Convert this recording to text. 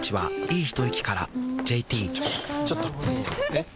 えっ⁉